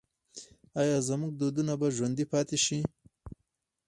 آیا زموږ دودونه به ژوندي پاتې شي؟